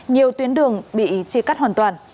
nhiều tuyến đường bị chia cắt hoàn toàn